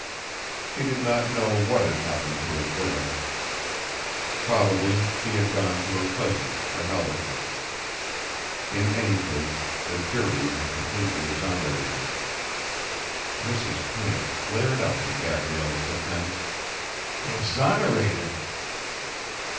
She did not know what had happened to his widow. Probably she had gone to her cousins the Halbertons. In any case the jury had completely exonerated her. Mrs. Payne flared up in Gabrielle's defence. "Exonerated?"